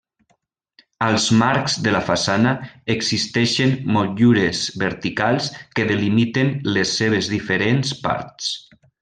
Als marcs de la façana existeixen motllures verticals que delimiten les seves diferents parts.